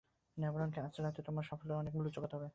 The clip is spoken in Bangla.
ন্যাভারোন কে আজ রাতে তোমাদের সাফল্যের অনেক মূল্য চোকাতে হবে।